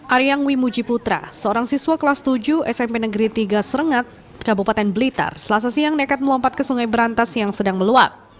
aryang wimuji putra seorang siswa kelas tujuh smp negeri tiga serengat kabupaten blitar selasa siang nekat melompat ke sungai berantas yang sedang meluap